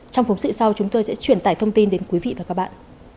trong phóng sự sau chúng tôi sẽ truyền tải thông tin đến quý vị và các bạn